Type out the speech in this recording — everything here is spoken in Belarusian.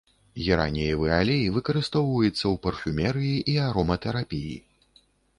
Гераніевы алей выкарыстоўваецца ў парфумерыі і ароматэрапіі.